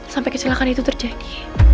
sampai kecelakaan itu terjadi